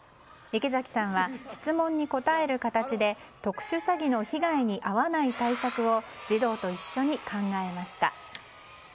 池崎さんは質問に答える形で特殊詐欺の被害に遭わない対策を児童と一緒に考えました。